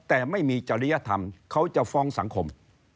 แต่ไม่มีจริยธรรมเขาจะฟ้องสังคม